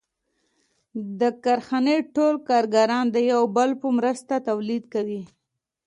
د کارخانې ټول کارګران د یو بل په مرسته تولید کوي